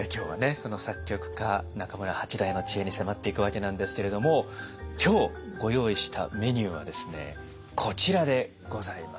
その作曲家中村八大の知恵に迫っていくわけなんですけれども今日ご用意したメニューはですねこちらでございます。